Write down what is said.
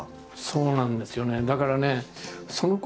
そうなんですよね。